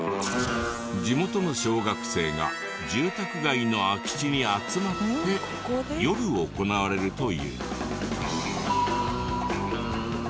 地元の小学生が住宅街の空き地に集まって夜行われるという。